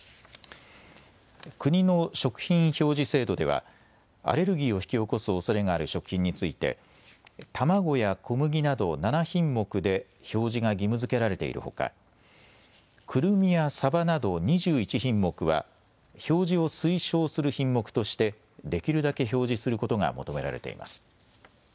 国の食品表示制度ではアレルギーを引き起こすおそれがある食品についてタマゴや小麦など７品目で表示が義務づけられているほかくるみやサバなど２１品目は表示を推奨する品目としてできるだけ表示することが求められています。